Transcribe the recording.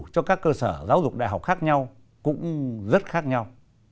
cho các cơ sở giáo dục đại học khác nhau cũng rất khác nhau